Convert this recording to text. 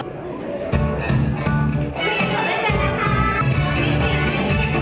คุณทำอย่างไรฉันนัก